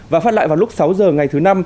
và phát lại vào lúc sáu h ngày thứ năm